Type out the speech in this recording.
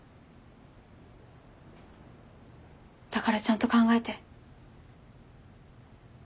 だからちゃんと考えて。